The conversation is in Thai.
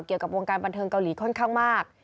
เกี่ยวกับวงการบันเทิงเกาหลีค่อนข้างมาก